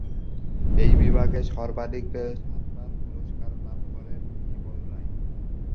এই বিভাগে সর্বাধিক সাতবার পুরস্কার লাভ করেন বিমল রায়।